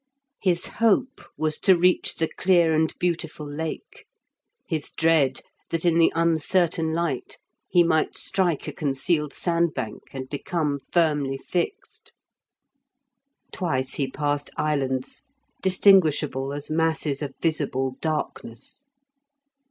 His hope was to reach the clear and beautiful Lake; his dread that in the uncertain light he might strike a concealed sandbank and become firmly fixed. Twice he passed islands, distinguishable as masses of visible darkness.